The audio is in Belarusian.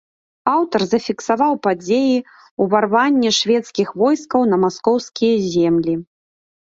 Аўтар зафіксаваў падзеі ўварвання шведскіх войскаў на маскоўскія землі.